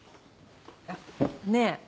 あっねぇ